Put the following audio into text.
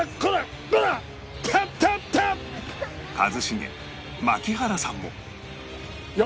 一茂槙原さんも